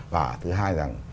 và thứ hai là